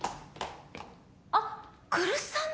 あっ来栖さんの。